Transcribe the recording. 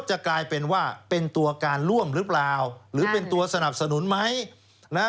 เหมือนเขาเป็นตัวสนับสนุนไหม